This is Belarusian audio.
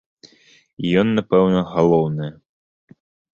І ён, напэўна, галоўнае.